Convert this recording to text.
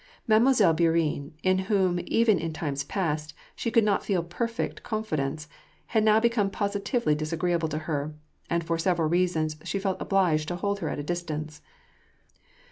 Mademoi selle Bourienne, in whom, even in times past, she could not feel perfect confidence, had now become positively disagree able to her ; and for several reasons she felt obliged to hold her at a distance.